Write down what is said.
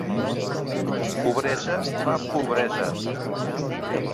Pobresa fa pobresa.